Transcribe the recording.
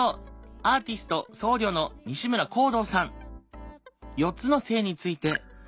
アーティスト僧侶の西村宏堂さん。